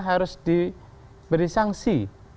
harus diberi sanksi